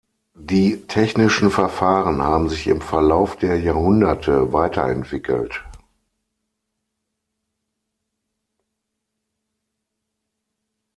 Die technischen Verfahren haben sich im Verlauf der Jahrhunderte weiterentwickelt.